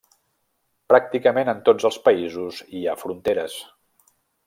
Pràcticament en tots els països hi ha fronteres.